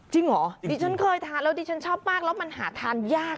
เหรอดิฉันเคยทานแล้วดิฉันชอบมากแล้วมันหาทานยาก